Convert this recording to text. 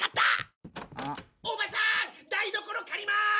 おばさーん台所借りまーす。